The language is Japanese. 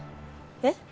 えっ？